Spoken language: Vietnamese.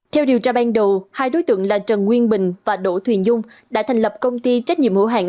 theo điều tra ban đầu hai đối tượng là trần nguyên bình và đỗ thuyền dung đã thành lập công ty trách nhiệm hữu hạng